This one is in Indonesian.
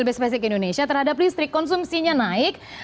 terhadap listrik indonesia terhadap listrik konsumsinya naik